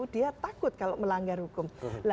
dia takut kalau melanggar hukum